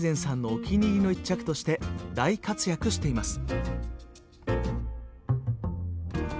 お気に入りの一着として大活躍しています。